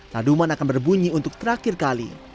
taduman akan berbunyi untuk terakhir kali